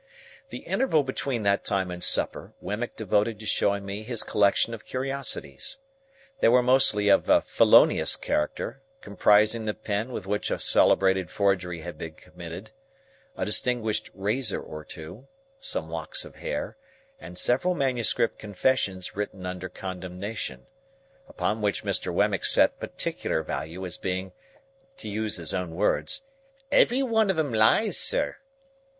The interval between that time and supper Wemmick devoted to showing me his collection of curiosities. They were mostly of a felonious character; comprising the pen with which a celebrated forgery had been committed, a distinguished razor or two, some locks of hair, and several manuscript confessions written under condemnation,—upon which Mr. Wemmick set particular value as being, to use his own words, "every one of 'em Lies, sir."